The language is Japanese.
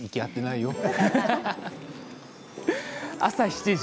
朝７時。